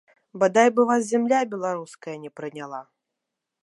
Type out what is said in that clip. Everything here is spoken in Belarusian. Бадай бы вас зямля беларуская не прыняла!